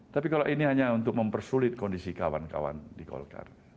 tapi kalau ini hanya untuk mempersulit kondisi kawan kawan di golkar